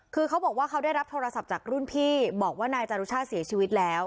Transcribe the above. คือเขาบอกว่าเขาได้รับโทรศัพท์จากรุ่นพี่บอกว่านายจารุชาติเสียชีวิตแล้ว